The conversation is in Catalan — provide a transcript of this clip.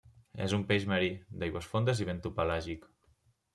És un peix marí, d'aigües fondes i bentopelàgic.